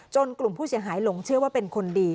กลุ่มผู้เสียหายหลงเชื่อว่าเป็นคนดี